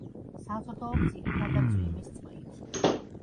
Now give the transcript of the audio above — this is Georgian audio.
საზრდოობს ძირითადად წვიმის წყლით.